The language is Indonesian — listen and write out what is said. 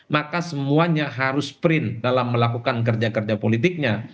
maka semuanya harus sprint dalam melakukan kerja kerja politiknya